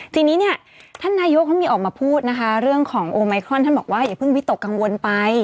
ทีนี้เนี่ยท่านนายกเขามีออกมาพูดนะคะเรื่องของโอไมครอนท่านบอกว่าอย่าเพิ่งวิตกกังวลไป